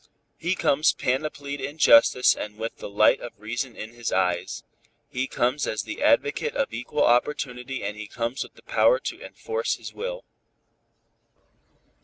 He comes panoplied in justice and with the light of reason in his eyes. He comes as the advocate of equal opportunity and he comes with the power to enforce his will.